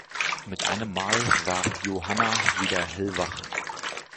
Mit einem Mal war Johanna wieder hellwach.